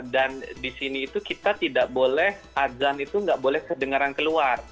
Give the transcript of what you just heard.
dan di sini itu kita tidak boleh azan itu gak boleh kedengaran keluar